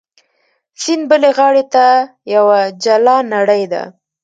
سیند بلې غاړې ته یوه جلا نړۍ ده.